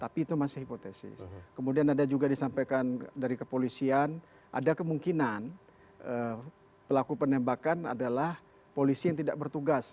tapi itu masih hipotesis kemudian ada juga disampaikan dari kepolisian ada kemungkinan pelaku penembakan adalah polisi yang tidak bertugas